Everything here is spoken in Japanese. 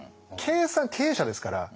計算経営者ですから。